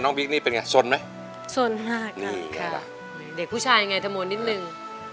น้องบิ๊กนี่เป็นไงสนไหมสนมากนี่แหละเด็กผู้ชายไงถมวลนิดหนึ่ง